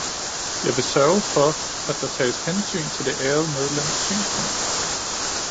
Jeg vil sørge for, at der tages hensyn til det ærede medlems synspunkter.